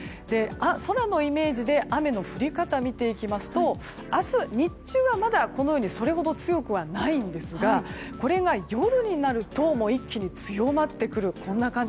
空のイメージで雨の降り方を見ていきますと明日日中はまだそれほど強くはないんですがこれが夜になると一気に強まってくる。